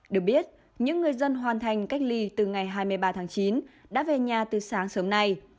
được biết những người dân hoàn thành cách ly từ ngày hai mươi ba tháng chín đã về nhà từ sáng sớm nay